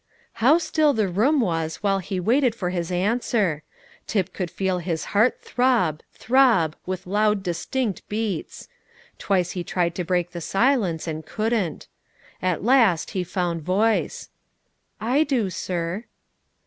How still the room was while he waited for his answer! Tip could feel his heart throb throb with loud, distinct beats; twice he tried to break the silence, and couldn't. At last he found voice: "I do, sir."